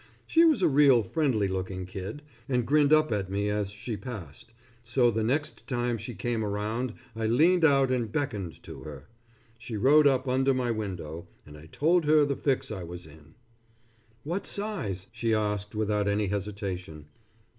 She was a real friendly looking kid, and grinned up at me as she passed, so the next time she came around I leaned out and beckoned to her. She rode up under my window, and I told her the fix I was in. "What size?" she asked without any hesitation.